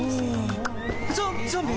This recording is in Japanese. ゾゾンビ！